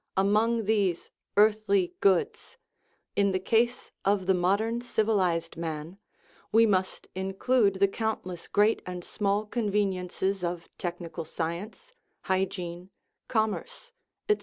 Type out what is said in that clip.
Among these " earthly goods," in the case of the modern civilized man, we must include the count less great and small conveniences of technical science, hygiene, commerce, etc.